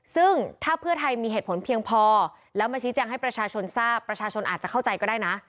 ซึ่งถ้าเพื่อไทยมีเหตุผลเพียงพอแล้วมาชี้แจงให้ประชาชนทราบประชาชนอาจจะเข้าใจก็ได้นะ